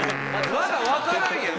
まだわからんやん。